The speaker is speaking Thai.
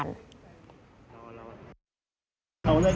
อันนี้ข้เริ่มเป็นปุกศริเคยนี่